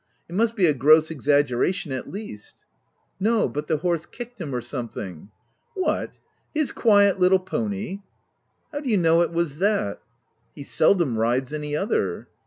It must be a gross exaggeration at least." " No, but the horse kicked him — or some thing." " What, his quiet little pony ?" *f How do you know it was that ?" "He seldom rides any other."